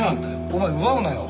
お前奪うなよ。